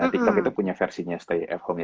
tiktok itu punya versinya stay at home